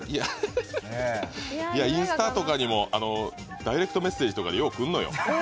インスタとかにもダイレクトメッセージでよう来るのよ。